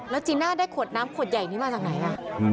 จีน่าได้ขวดน้ำขวดใหญ่นี้มาจากไหน